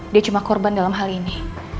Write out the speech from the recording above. dia cuma korban dalam hal ini